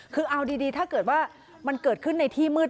คือเอาดีถ้าเกิดว่ามันเกิดขึ้นในที่มืด